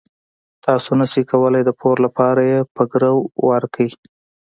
تاسو نشئ کولای د پور لپاره یې په ګرو ورکړئ.